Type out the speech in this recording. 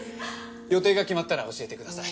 予定が決まったら教えてください。